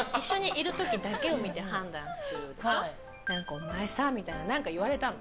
お前さみたいな何か言われたの。